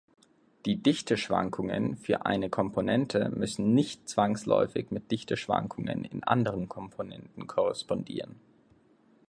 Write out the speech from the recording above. Die Dichteschwankungen für eine Komponente müssen nicht zwangsläufig mit Dichteschwankungen in anderen Komponenten korrespondieren.